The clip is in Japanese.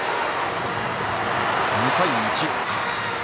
２対１。